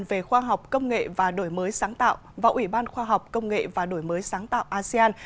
về khoa học công nghệ và đổi mới sáng tạo và ủy ban khoa học công nghệ và đổi mới sáng tạo asean